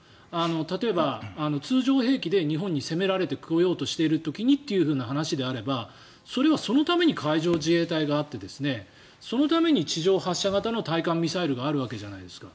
例えば通常兵器で日本に攻められてこようとしている時にそれはそのために海上自衛隊があってそのために地上発射型の対艦ミサイルがあるわけじゃないですか。